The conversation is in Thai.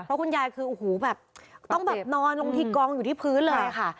สหรับคุณยายต้องนอนหากลงที่กองอยู่ที่พื้นเลย